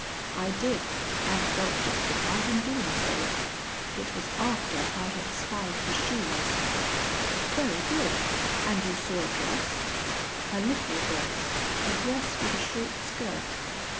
"I did and felt justified in doing so. It was after I had spied the shoes." "Very good. And you saw a dress?" "A little dress; a dress with a short skirt.